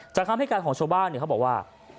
คำให้การของชาวบ้านเขาบอกว่า